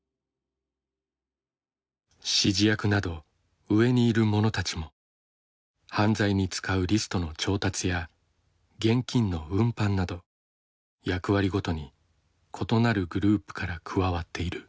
指示役など上にいる者たちも犯罪に使うリストの調達や現金の運搬など役割ごとに異なるグループから加わっている。